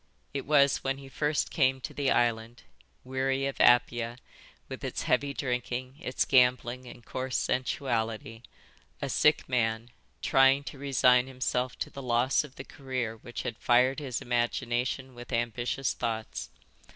It was when he first came to the island, weary of Apia, with its heavy drinking, its gambling and coarse sensuality, a sick man, trying to resign himself to the loss of the career which had fired his imagination with ambitious thoughts.